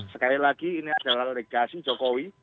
sekali lagi ini adalah legasi jokowi